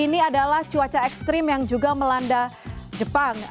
ini adalah cuaca ekstrim yang juga melanda jepang